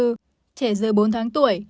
trẻ giờ bốn tháng tuổi